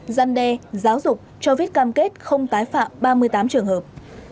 gian đe giáo dục cho viết cam kết không tái phạm ba mươi tám trường hợp